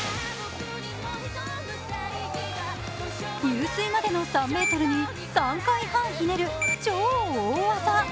入水までの３ｍに３回半ひねる超大技。